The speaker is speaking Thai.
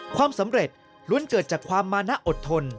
ความสำเร็จล้วนเกิดจากความมานะอดทน